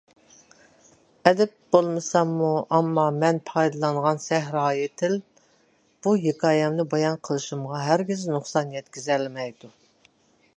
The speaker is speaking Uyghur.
ئەدىب بولمىساممۇ، ئەمما مەن پايدىلانغان سەھرايى تىل بۇ ھېكايەمنى بايان قىلىشىمغا ھەرگىز نۇقسان يەتكۈزەلمەيدۇ.